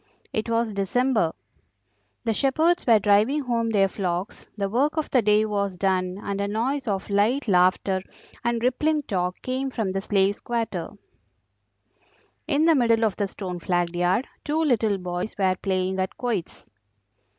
It was December. The shepherds were driving home their flocks, the work of the day was done, and a noise of light laughter and rippling talk came from the Slaves' quarter. In the middle of the stone flagged yard two little boys were playing at quoits.